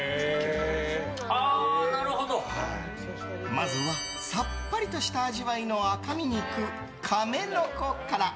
まずは、さっぱりした味わいの赤身肉、カメノコから。